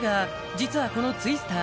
実はこの「ツイスター」